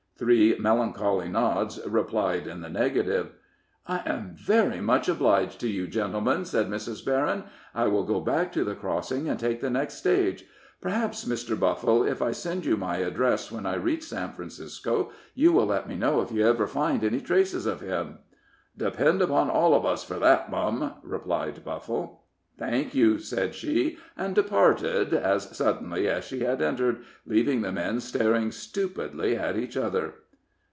Three melancholy nods replied in the negative. "I am very much obliged to you, gentlemen," said Mrs. Berryn. "I will go back to the crossing and take the next stage. Perhaps, Mr. Buffle, if I send you my address when I reach San Francisco, you will let me know if you ever find any traces of him?" "Depend upon all of us for that, mum," replied Buffle. "Thank you," said she, and departed as suddenly as she had entered, leaving the men staring stupidly at each other.